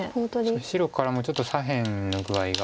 白からもちょっと左辺の具合が。